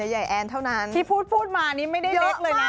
ใหญ่แอนเท่านั้นที่พูดมานี่ไม่ได้เล็กเลยนะ